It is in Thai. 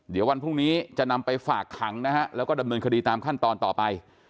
เดี๋ยววันพรุ่งนี้จะนำไปฝากขังนะฮะแล้วก็ดำเนินคดีตามขั้นตอนต่อไป